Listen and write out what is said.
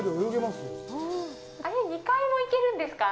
２階も行けるんですか？